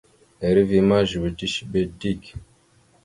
Eriveya ma zʉwe tishiɓe dik.